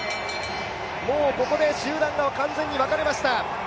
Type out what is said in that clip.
もうここで集団が完全に分かれました。